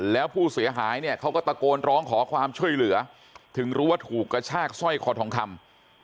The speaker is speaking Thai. แล้วผู้เสียหายเนี่ยเขาก็ตะโกนร้องขอความช่วยเหลือถึงรู้ว่าถูกกระชากสร้อยคอทองคำ